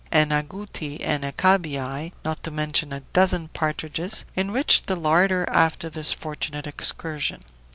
An agouti and a cabiai, not to mention a dozen partridges, enriched the larder after this fortunate excursion.